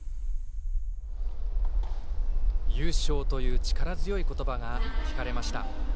優勝という力強い言葉が聞かれました。